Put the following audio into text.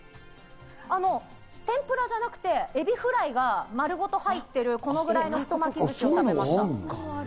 天ぷらじゃなくて、エビフライが丸ごと入ってる、このぐらいの太巻きを食べました。